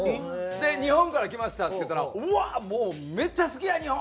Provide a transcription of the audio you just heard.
で「日本から来ました」って言ったら「うわっ！もうめっちゃ好きや日本！」みたいな。